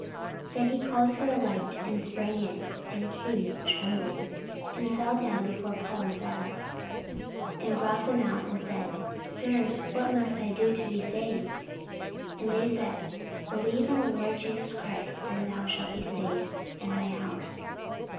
44:016:029 Then he called for a light, and sprang in, and came trembling, and fell down before Paul and Silas, 44:016:030 And brought them out, and said, Sirs, what must I do to be saved? 44:016:031 And they said, Believe on the Lord Jesus Christ, and thou shalt be saved, and thy house.